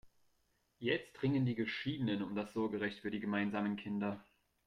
Jetzt ringen die Geschiedenen um das Sorgerecht für die gemeinsamen Kinder.